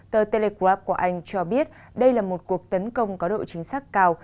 tờ telegrap của anh cho biết đây là một cuộc tấn công có độ chính xác cao